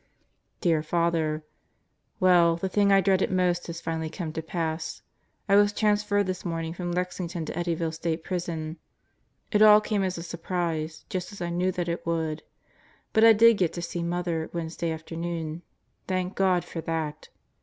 Dear Father: Well, the thing I dreaded most has finally come to pass. I was transferred this morning from Lexington to Eddyville State Prison. It all came as a surprise, just as I knew that it would. But I did get to see Mother, Wednesday afternoon. Thank God for that.